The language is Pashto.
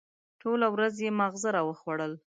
ټوله ورځ یې ماغزه را وخوړل.